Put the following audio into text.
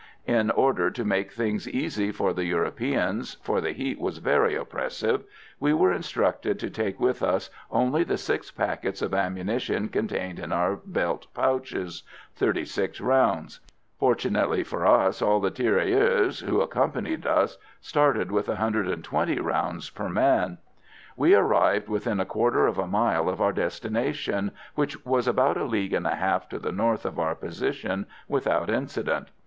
In order to make things easy for the Europeans, for the heat was very oppressive, we were instructed to take with us only the six packets of ammunition contained in our belt pouches 36 rounds. Fortunately for us all the tirailleurs, who accompanied us, started with 120 rounds per man. We arrived within a quarter of a mile of our destination, which was about a league and a half to the north of our position, without incident.